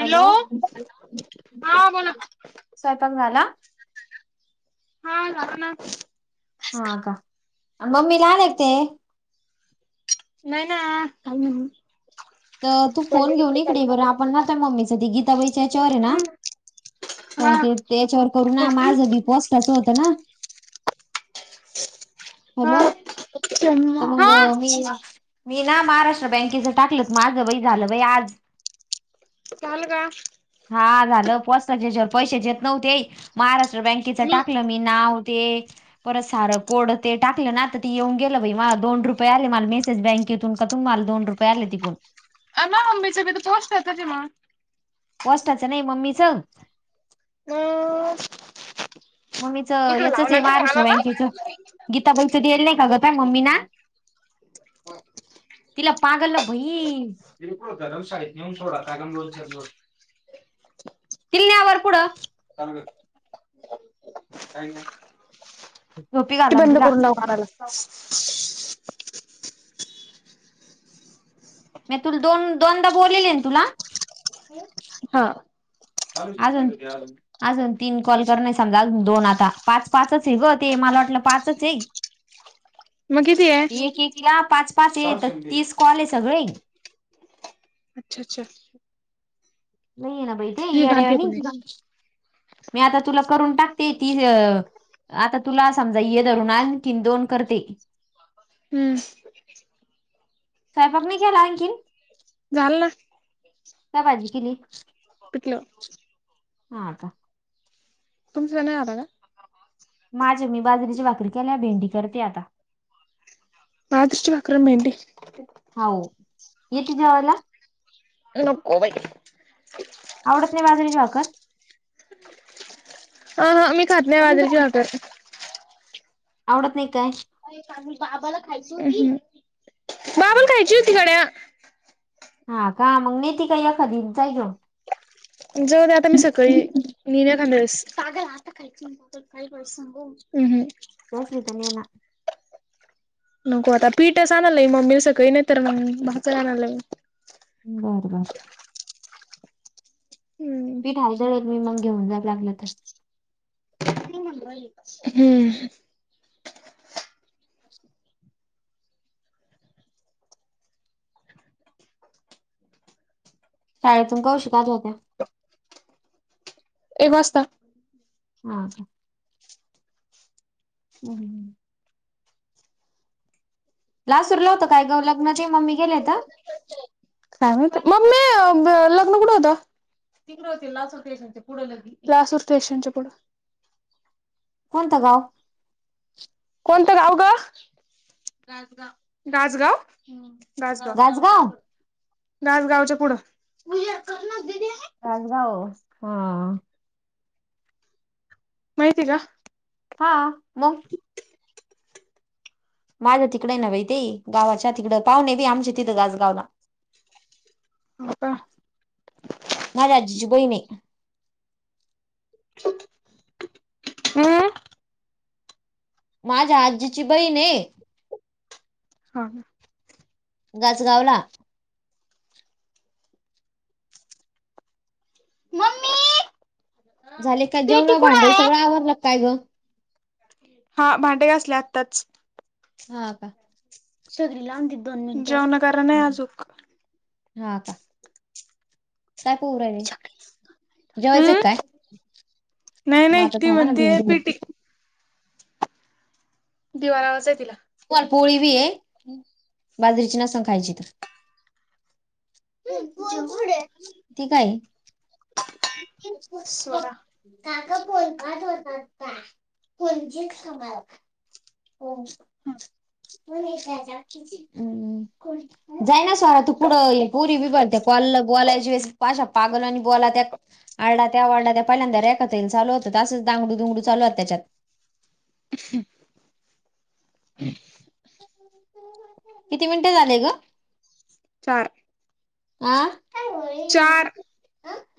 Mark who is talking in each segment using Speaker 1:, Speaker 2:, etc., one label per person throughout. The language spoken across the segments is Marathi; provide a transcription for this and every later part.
Speaker 1: हॅलो
Speaker 2: हा बोला
Speaker 1: स्वयपाक झाला?
Speaker 2: हा जा ना.
Speaker 1: हा का मम्मी लाानते.
Speaker 2: नाही ना काही म्ह?
Speaker 1: तर तू फोन घेऊन इकडे बरं आपण ना त्या मम्मी सा गीताबाईच्या याच्यावर आहे ना
Speaker 2: हा
Speaker 1: ते त्याच्यावर करू ना माझं पॉस्टच होतं ना हॅलो तर मग
Speaker 2: हा
Speaker 1: मी मी ना महाराष्ट्र बँकेचं टाकलक माझं झालं बाई आज.
Speaker 2: झाल का?
Speaker 1: हा झालं पोस्ता जच्यावर पैसे जेत नव्हते महाराष्ट्र बँकेच टाकलं मी नाव ते परत सारं कोड ते टाकलं ना तर त ते येऊन गेलं बाई मला दोन रुपये आले मला मेसेज बँकेतून का तुम्हाला दोन रुपय पेरलेटिकोून [unintelligible]
Speaker 2: मा मम्मीचं बी पोस्टरचे मंग
Speaker 1: पस्टाचं ना मम्मी च
Speaker 2: हम [inaudible]
Speaker 1: मम्मीचं याचच आहे वार अस र बँंकेच गीताबाईच देल नाही का ग काय मम्मी ना तिला पागलला बहीण धर्मशाळेत नेऊन सोडा दोन-चार दिवस. [unintelligible] त वर कुढ
Speaker 2: [inaudible]
Speaker 1: अरी का-'
Speaker 2: बंद करून लाव कला
Speaker 1: म तु दोन दोनदा बोललेले तुला
Speaker 2: हा.
Speaker 1: आ जून अजून तीन कॉल कर नाही समजा दोन आता पाच पाच आहे ग ते मला वाटलं पाच आहे.
Speaker 2: मग किती आहे
Speaker 1: एक एकला पाच पाच आहे तर तीस कॉल आहे सगळे.
Speaker 2: अच्छा अच्छा
Speaker 1: नाही ये ना बाहि ते
Speaker 2: ही घाण फेकून दे
Speaker 1: याड्यावा मी आता तुला करून टाकते ती आता तुला समजा ये धरून आ कीन दोन करते.
Speaker 2: हम्म
Speaker 1: स्वयंक नाही केला आणखीन.
Speaker 2: झाल ना.
Speaker 1: का भाजी किली?
Speaker 2: पितलं.
Speaker 1: हा का?
Speaker 2: तुमच नाही आला ना.
Speaker 1: माझ्या मी बाजरीची भाकरी केल्या भेंडी करते आता. हो येते जेवायला
Speaker 2: [unintelligible] नको बई.
Speaker 1: आवडत नाही बाजरीे ची भाकर.
Speaker 2: अ हा मी खात नाही
Speaker 1: कमी
Speaker 2: बाजरीची
Speaker 1: भाजी.
Speaker 2: भाकर.
Speaker 1: आवडत नाही काय?
Speaker 2: ांग बाबाला खायची होती. बाबाला खायची होती गड्या
Speaker 1: हा का मग नेती का एखादी जाय घेऊन.
Speaker 2: जाऊदे आता मी सकाळी येईल एखांद वेळेस. पागल आता खायची ना भाकर काही पण [unintelligible] हम्म हम्म
Speaker 1: वोसली तर नेना
Speaker 2: नको आता पीठच आणायला लावीन मम्मीला सकाळी नाहीतर भाकर आणायला लावीन.
Speaker 1: बर बर
Speaker 2: हम्म
Speaker 1: पीठ आहे दळेल मी मग घेऊन जाय लागल तर
Speaker 2: हम्
Speaker 1: शाळेतून कवशी पाहत होत्या.
Speaker 2: ह एक वाजता
Speaker 1: ह का. हम्. लासूरला होतं काय ग लग्न ते मग्मी गेलंय तर,
Speaker 2: काय माहिती. मम्मी ब लग्न कुठे होत? तिकडे होत लासूर स्टेशन च्या पुढे लगी. लातूर स्टेशनचे पुढ.
Speaker 1: कोणत गाव?
Speaker 2: कोणतं गाव गा? राजगाव-राजगाव. हा. राजगांव. राजगांव च्या
Speaker 1: गाजगाव
Speaker 2: पुढ. राजगांव च्या पुढ. [unintelligible]
Speaker 1: राजगांव हा
Speaker 2: माहिती का?
Speaker 1: हा मग माझ्या तिकडे ना बाई ते गावाच्या तिकडं पाहुणे न बी आमच्या तिथं गासगावला.
Speaker 2: हो का
Speaker 1: माझ्या आजीची बहिणीहे
Speaker 2: [inaudible] हम्म
Speaker 1: माझ्या आजीची बहीण हे.
Speaker 2: हा
Speaker 1: गाजगावला
Speaker 2: मम्मी
Speaker 1: झाले काय जेवण भांडे सगळं आवरलं काय ग?
Speaker 2: हा भांडेे घासले आत्ताच.
Speaker 1: हा का
Speaker 2: सगरी लांब द दोन जेवणाकारण नाही अजूक.
Speaker 1: हा का काय पाहू राहिली? जेवायच
Speaker 2: हम्म
Speaker 1: काय
Speaker 2: नाही
Speaker 1: म
Speaker 2: नाही
Speaker 1: आता
Speaker 2: ती
Speaker 1: थांबा ना
Speaker 2: म्हणते
Speaker 1: भिंडू
Speaker 2: पिटी दिवा लावायचा आहे तिला.
Speaker 1: तुम्हाला पोळी बी आहे बाजरीची नसनं खायची तर, ते काय?
Speaker 2: स्वरा
Speaker 1: [unintelligible] हो् [unintelligible] जाय ना स्वरा तू पुढं पोरी बि बडते कॉल बोलायची अशा पागलनी बोला त्या आरडा त्या वाडा त्या पहिल्यांदा रेखात ताई चालू होत असच दांगडू दुंगडू चालूत त्याच्यात
Speaker 2: [unintelligible]
Speaker 1: किती मिनिटे झाले ग?
Speaker 2: चार
Speaker 1: ह
Speaker 2: चार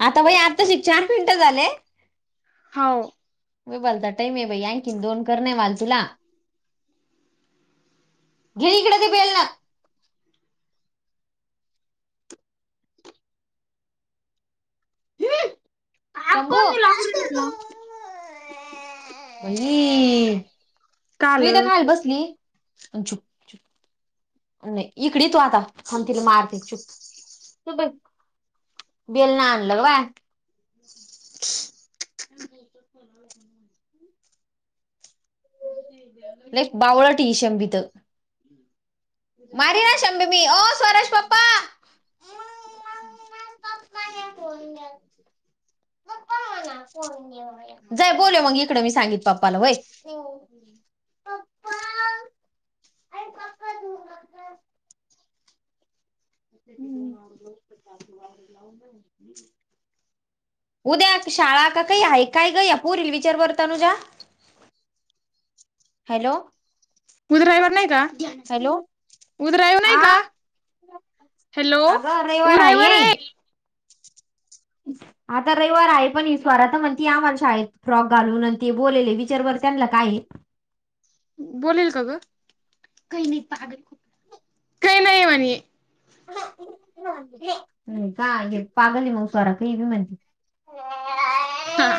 Speaker 1: आता बाई आताशी चार मिनटं झाले.
Speaker 2: हो
Speaker 1: ब बोलता टाईम आहे बाई आणखीन दोन करण नाही माल तुला घे इकडे ते बेल ना. [unintelligible] [unintelligible] थांब
Speaker 2: काल
Speaker 1: तिला मारते. बेलन आनल गं बया
Speaker 2: [unintelligible] [inaudible]
Speaker 1: लई बावळट हि शमभी तर
Speaker 2: [unintelligible]
Speaker 1: मारीन शंभि मी ओ स्वरा चे पप्पा
Speaker 2: [inaudible]
Speaker 1: जा बोल मग इकडे मी सांगित पप्पाला होई. हो [unintelligible]
Speaker 2: [unintelligible]
Speaker 1: उद्या शाळा का काही आहे काय ग या पुरील विचार बरं तनुजा हॅलो
Speaker 2: उध्रईवर नाही का
Speaker 1: हॅलो
Speaker 2: उद्रईव्ह नाही
Speaker 1: आ
Speaker 2: का? हॅलो उ रविवार आहे.
Speaker 1: ठीक आता रविवार आहे पण ही स्वरा आता म्हणति आम्हाला शाळेत फ्रॉक घालून ते बोलले विचारभर त्यांना काय.
Speaker 2: बोलेल का ग? काय नाही पागल. काही नाही म्हने
Speaker 1: नाही का पागल मग सारा का हे बी म्हणते.
Speaker 2: हा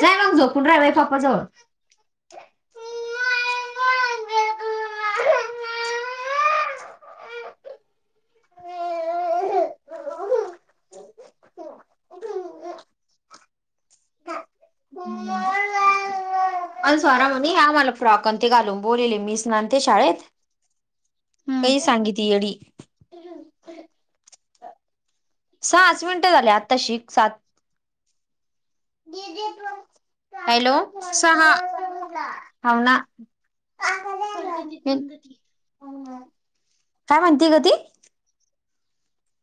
Speaker 1: जाय मग झोपून राहाला आहे पप्पाजवळ [unintelligible] अ स्वरा म्हणे ह्या मला फ्रॉक ते घालून बोललेले मीच नाते शाळेत.
Speaker 2: हम्म
Speaker 1: काही सांगित येडी सच मिनिटं झाली आता तशी सात हॅलो
Speaker 2: सहा
Speaker 1: होना.
Speaker 2: करत तच म्ह त
Speaker 1: काय म्हणतीय ग ती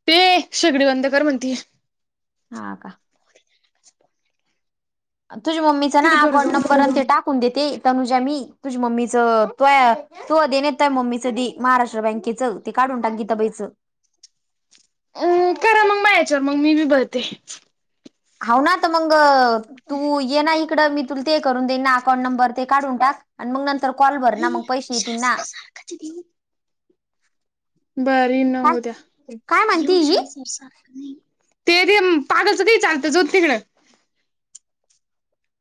Speaker 2: ते शेगडी बंद कर म्हणतीय.
Speaker 1: ह का तुझ्या मम्मीचं ना
Speaker 2: तिथं घर
Speaker 1: अकाउंट
Speaker 2: जाऊन
Speaker 1: नंबर
Speaker 2: बोलू
Speaker 1: आणि ते टाकून देते तनुजा मी तुझी मम्मीच तो तू अधेन येतोय मम्मीच दे महाराष्ट्र बँकेचं ते काढून टाक गीताबाईचं
Speaker 2: अम करा मग मा या्याच्यावर मग मी बी बघते
Speaker 1: हा ना तर मग तू ये ना इकडं मी तुला ते करून देईन ना अकाउंट नंबर ते काढून टाक आणि मग नंतर कॉल भर ना मग पैसे येत ना
Speaker 2: बरी न
Speaker 1: काय
Speaker 2: होद्या
Speaker 1: काय म्हणती
Speaker 2: येऊ
Speaker 1: ही
Speaker 2: श ते ते पागलचं ते चालत जो तिकडं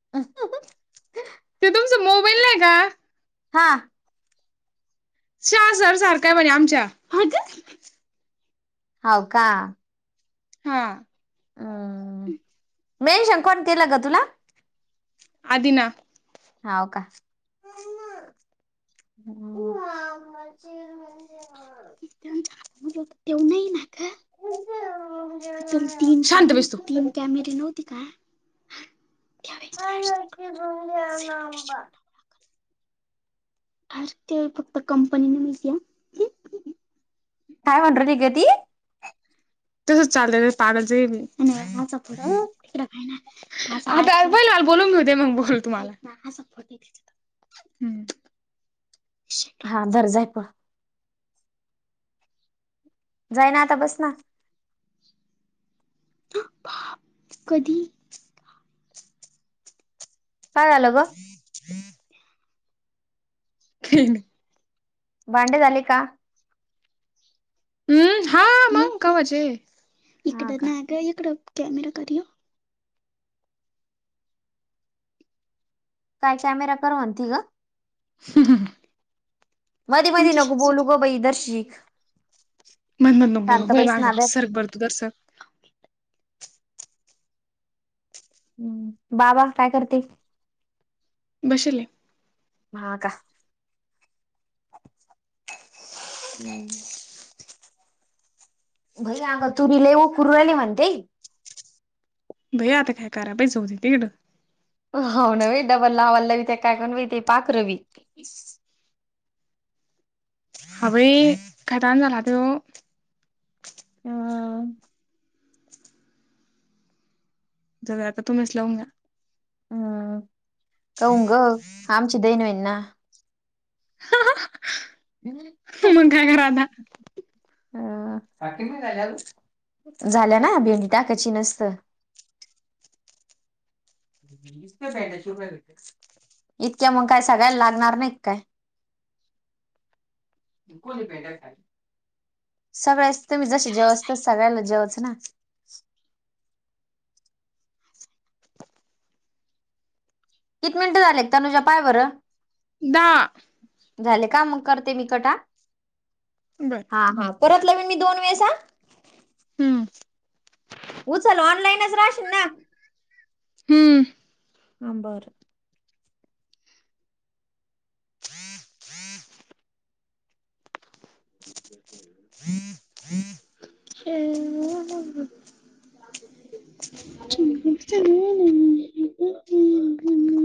Speaker 1: [inaudible]
Speaker 2: ते तुमच मोबाईल नाही का
Speaker 1: हा
Speaker 2: श सर सारखा बणे आमच्या
Speaker 1: हो का
Speaker 2: हा
Speaker 1: हम् मेनश कोण केलं ग तुला
Speaker 2: आदना
Speaker 1: ह हो का ह म्ह
Speaker 2: त्यां येवऊ नाही ना का त च तीन शांत भसतो तीन कॅमेरीे नव्हती का
Speaker 1: काय भ आ आबा
Speaker 2: हते फक्त कंपनीने मिळती्या
Speaker 1: फाव्ह हंड्रे एक गे तती
Speaker 2: तसंच चालत पाडलचे आता ब लाल बोलून घी होते मग बोल तुम्हाला हम्म
Speaker 1: आदर जापं जाईना आता बस ना
Speaker 2: कधी
Speaker 1: काय झालं ब
Speaker 2: के खेळ
Speaker 1: भांडे झाले का
Speaker 2: हम्म हा म का इकड का इकड कॅमेरा करि
Speaker 1: काय कॅमेरा कर म्हणती ग
Speaker 2: ह
Speaker 1: मधी मधी नको बोलू ग बाई दर्शिक
Speaker 2: मंद मंद न होय आगत
Speaker 1: नादात ती
Speaker 2: सर बरतु दर सर
Speaker 1: हम् बाबा काय करते
Speaker 2: बसेले
Speaker 1: महा का हम् भै आग तुरी ल उ खुरुली म्हतेई
Speaker 2: भै आता काय करा पहि च होती तकडं
Speaker 1: हाव ना बाई डब्बा लावा लवीत्या काय कनु बाई ते पाखरं बी
Speaker 2: हा बाई काय टाईम झाला आता हेव
Speaker 1: अ.
Speaker 2: जर आता तुम्हीच लावून घ्या
Speaker 1: हम्म कोन ग आमच देन आहे ना. हम्.
Speaker 2: मग काय करा आता
Speaker 1: अ झाल्या ना भेंडी टाकायची नसत. लीस रुपयाचे तीस रुपयाचे. इतक्या मग काय सगाळया लागणार नाही काय? कोणीपेटा खली. सगळ्याच तुम्ही जसे जेवाच तस सगळ्याला जेवाच ना कित मिनटं झालेत तनुजा पाह बरं
Speaker 2: दा.
Speaker 1: झाले का मग करते मी कट आ
Speaker 2: बरं.
Speaker 1: हा हा परत लावीन मी दोन वेळेस आ
Speaker 2: हम्म.
Speaker 1: उचल ऑनलाईनच राहशीन ना
Speaker 2: हम्म.
Speaker 1: हम्म बरं. [inaudible]
Speaker 2: [unintelligible] [unintelligible]